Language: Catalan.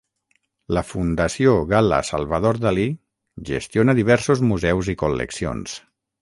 La Fundació Gala-Salvador Dalí gestiona diversos museus i col·leccions.